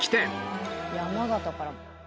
山形からも。